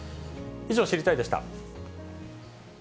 以上、知りたいッ！でした。